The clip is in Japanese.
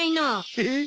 えっ？